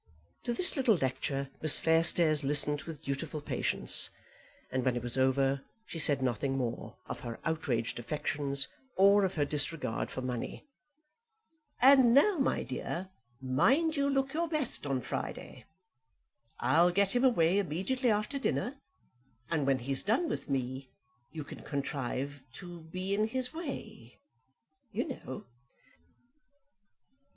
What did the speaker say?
To this little lecture Miss Fairstairs listened with dutiful patience, and when it was over she said nothing more of her outraged affections or of her disregard for money. "And now, my dear, mind you look your best on Friday. I'll get him away immediately after dinner, and when he's done with me you can contrive to be in his way, you know."